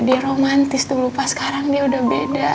dia romantis dulu pas sekarang dia udah beda